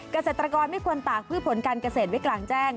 เกษตรกรไม่ควรตากพืชผลการเกษตรไว้กลางแจ้ง